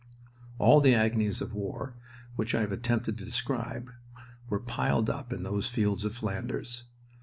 All the agonies of war which I have attempted to describe were piled up in those fields of Flanders.